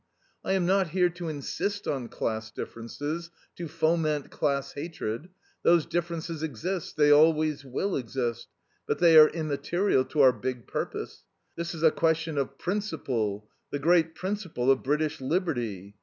I am not here to insist on class differences, to foment class hatred. Those differences exist, they always will exist; but they are immaterial to our big purpose. This is a question of principle, the great principle of British liberty.